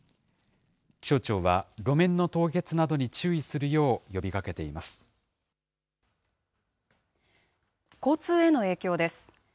気象庁は、路面の凍結などに注意交通への影響です。